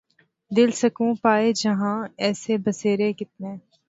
دل سکوں پائے جہاں ایسے بسیرے کتنے